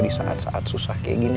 di saat saat susah kayak gini